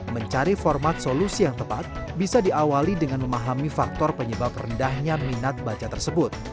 mencari format solusi yang tepat bisa diawali dengan memahami faktor penyebab rendahnya minat baca tersebut